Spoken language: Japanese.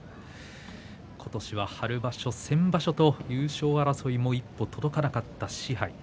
今年は春場所と先場所と優勝争いで一歩届かなかった賜盃。